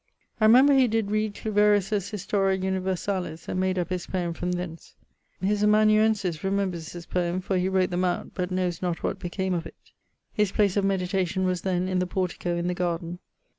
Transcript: I remember he did read Cluverius's Historia Universalis, and made up his poeme from thence. His amanuensis remembers this poeme, for he wrote them out, but knows . His place of meditation was then in the portico in the garden.